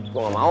gue gak mau